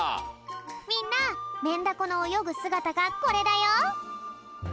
みんなメンダコのおよぐすがたがこれだよ。